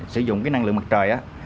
sử dụng cái năng lượng mặt trời á